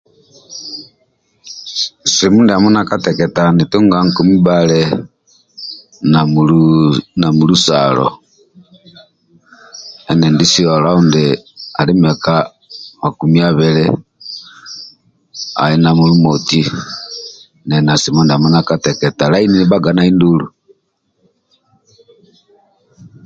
Simu ndiamo ndia kateketa nitunga nkumi bhali na mulu salo endindisio alaundi nili na mwak abili na mulusalo laini nibhaga nai ndulu